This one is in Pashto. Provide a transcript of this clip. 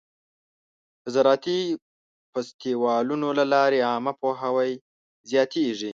د زراعتي فستیوالونو له لارې عامه پوهاوی زیاتېږي.